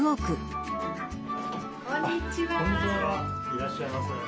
いらっしゃいませ。